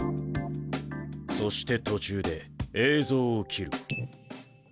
そして途中で映像を切る。